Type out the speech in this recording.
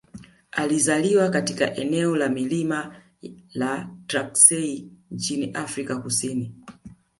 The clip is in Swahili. alizaliwa katika eneo la milimani la Transkei nchini Afrika Kusini